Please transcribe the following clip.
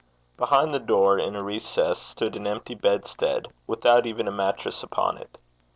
Behind the door, in a recess, stood an empty bedstead, without even a mattress upon it.